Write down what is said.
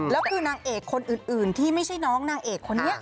แล้วคือนางเอกคนอื่นที่ไม่ใช่น้องนางเอกคนนี้